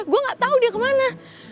gue gak tau dia kemana